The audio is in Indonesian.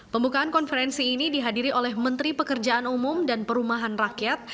pembukaan konferensi ini dihadiri oleh menteri pekerjaan umum dan perumahan rakyat